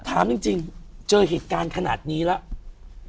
ถามจริงเจอเหตุการณ์ขนาดนี้แล้ว